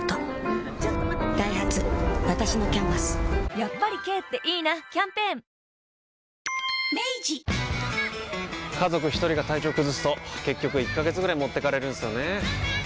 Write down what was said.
やっぱり軽っていいなキャンペーン家族一人が体調崩すと結局１ヶ月ぐらい持ってかれるんすよねー。